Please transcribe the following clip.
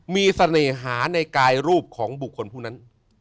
มีเสน่หาในกายรูปของบุคคลผู้นั้น